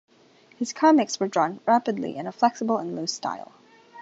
His comics were drawn rapidly in a "flexible and loose" style.